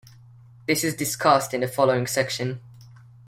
This is discussed in the following section.